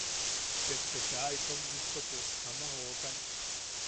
Ket te kaa itom gustopo ama jokan.